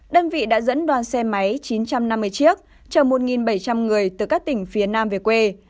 đơn vị đã dẫn đoàn xe máy chín trăm năm mươi chiếc chờ một bảy trăm linh người từ các tỉnh phía nam về quê